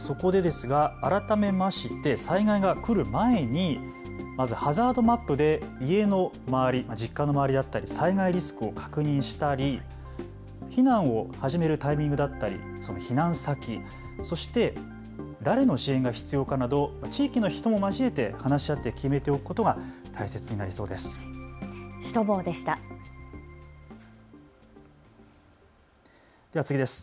改めまして災害が来る前にまずハザードマップで家の周り、実家の周りだったり、災害リスクを確認したり、避難を始めるタイミングだったり、避難先、そして誰の支援が必要かなど地域の人も交えて話し合って決めていくのが大事になりそうです。